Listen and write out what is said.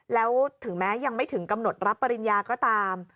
แล้วถึงแม้ยังไม่ถึงกำหนดรับปริญญาก็ตาม